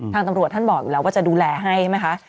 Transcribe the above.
ทางตำรวจท่านบอกอยู่แล้วว่าจะดูแลให้ใช่ไหมคะ